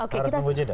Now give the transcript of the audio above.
harus bingung jeda